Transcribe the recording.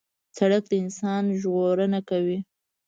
سړک د انسان ژغورنه کوي.